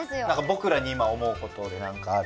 ぼくらに今思うことでなんかある？